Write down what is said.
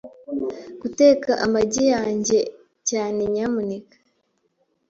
Guteka amagi yanjye cyane., nyamuneka .